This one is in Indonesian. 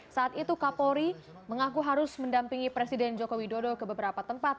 saat itu kapolri mengaku harus mendampingi presiden joko widodo ke beberapa tempat